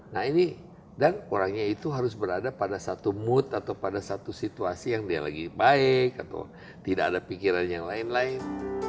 nah ini dan orangnya itu harus berada pada satu mood atau pada satu situasi yang dia lagi baik atau tidak ada pikiran yang lain lain